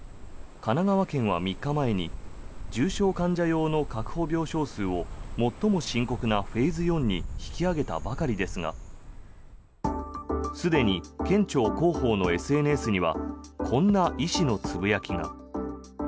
神奈川県は３日前に重症患者用の確保病床数を最も深刻なフェーズ４に引き上げたばかりですがすでに県庁広報のＳＮＳにはこんな医師のつぶやきが。